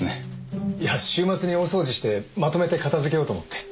いや週末に大掃除してまとめて片付けようと思って。